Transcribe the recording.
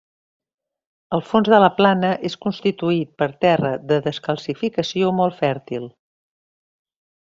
El fons de la plana és constituït per terra de descalcificació molt fèrtil.